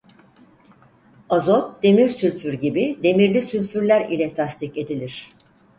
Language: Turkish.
Azot- demir sülfür gibi- demirli sülfürler ile tasdik edilir.